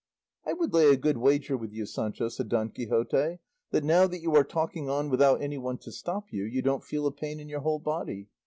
"I would lay a good wager with you, Sancho," said Don Quixote, "that now that you are talking on without anyone to stop you, you don't feel a pain in your whole body.